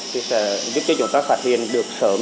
thì sẽ giúp cho chúng ta phát hiện được sớm